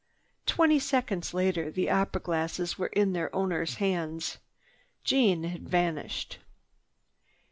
Twenty seconds later the opera glasses were in their owner's hands. Jeanne had vanished.